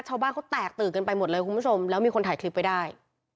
ชาวบ้านเขาแตกตื่นกันไปหมดเลยคุณผู้ชมแล้วมีคนถ่ายคลิปไว้ได้